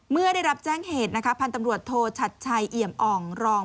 เมื่อได้รับแจ้งเหตุนะคะพันธ์ตำรวจโทชัดชัยเอี่ยมอ่องรอง